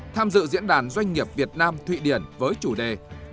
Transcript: tham dự diễn đàn doanh nghiệp việt nam thụy điển với chủ đề